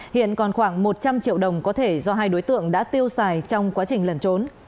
hiện còn khoảng một trăm linh triệu đồng có thể do hai đối tượng đã tiêu xài trong quá trình lần trốn